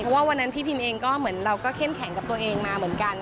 เพราะว่าวันนั้นพี่พิมเองก็เหมือนเราก็เข้มแข็งกับตัวเองมาเหมือนกัน